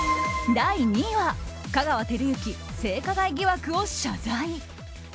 第２位は香川照之、性加害疑惑を謝罪。